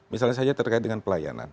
misalnya saja terkait dengan pelayanan